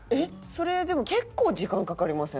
それでも結構時間かかりません？